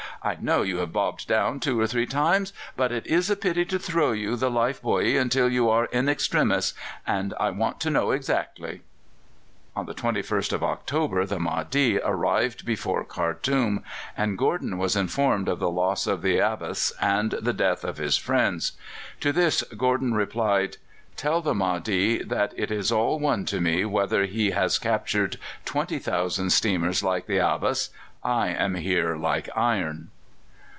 I know you have bobbed down two or three times, but it is a pity to throw you the life buoy until you are in extremis, and I want to know exactly.'" On the 21st of October the Mahdi arrived before Khartoum, and Gordon was informed of the loss of the Abbas and the death of his friends. To this Gordon replied: "Tell the Mahdi that it is all one to me whether he has captured 20,000 steamers like the Abbas I am here like iron."